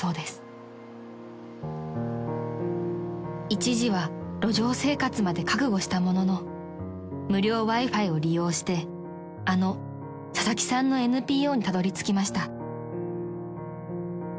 ［一時は路上生活まで覚悟したものの無料Ｗｉ−Ｆｉを利用してあの佐々木さんのＮＰＯにたどりつきました］